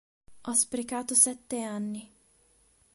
Ho sprecato sette anni.